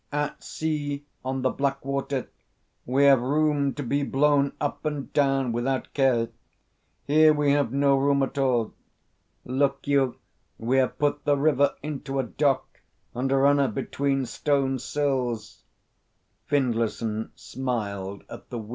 At sea, on the Black Water, we have room to be blown up and down without care. Here we have no room at all. Look you, we have put the river into a dock, and run her between stone sills." Findlayson smiled at the "we."